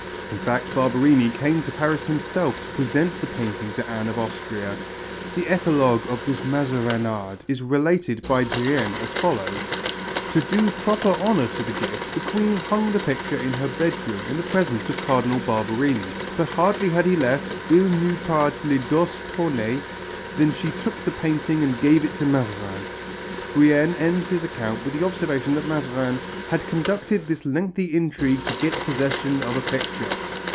In fact, Barberini came to Paris himself to present the painting to Anne of Austria. The epilogue of this mazarinade is related by Brienne as follows: "To do proper honour to the gift, the Queen hung the picture in her bedroom in the presence of Cardinal Barberini, but hardly had he left (il n'eut pas le dos tourné) than she took the painting and gave it to Mazarin." Brienne ends his account with the observation that Mazarin "had conducted this lengthy intrigue to get possession of a picture."